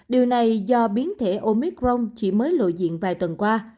điều này do biến thể omicron chỉ mới lộ diện vài tuần qua